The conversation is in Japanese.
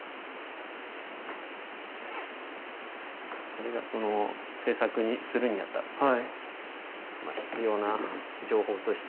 これがその制作するにあたって必要な情報として。